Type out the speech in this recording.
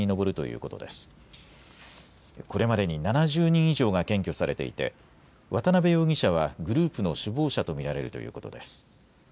これまでに７０人以上が検挙されていて渡邉容疑者はグループの首謀者と見られるということです。